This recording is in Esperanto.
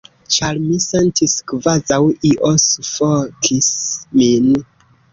Ĉar mi sentis kvazaŭ io sufokis min.